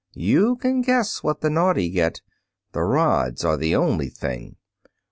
You can guess what the naughty get, The rods are the only thing.